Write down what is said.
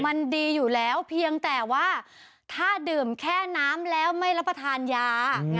มันดีอยู่แล้วเพียงแต่ว่าถ้าดื่มแค่น้ำแล้วไม่รับประทานยา